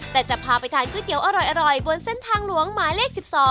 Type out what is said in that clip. แต่จะพาไปทานก๋วยเตี๋ยวอร่อยบนเส้นทางหลวงหมายเลข๑๒